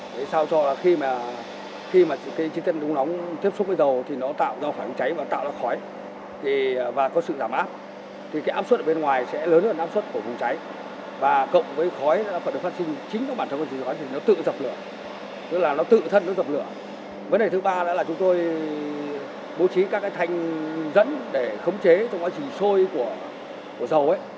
vấn đề thứ ba là chúng tôi bố trí các thanh dẫn để khống chế trong quá trình sôi của dầu